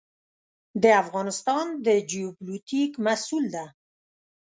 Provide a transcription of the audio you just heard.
د افغانستان د جیوپولیټیک محصول ده.